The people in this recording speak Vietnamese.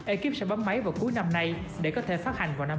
ekip sẽ bấm máy vào cuối năm nay để có thể phát hành vào năm hai nghìn hai mươi